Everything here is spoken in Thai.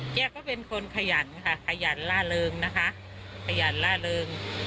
แกก็เป็นคนขยันค่ะขยันล่าเริงนะคะขยันล่าเริง